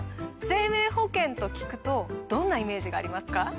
生命保険と聞くとどんなイメージがありますか？